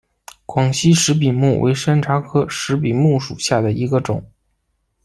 广西石笔木为山茶科石笔木属下的一个种。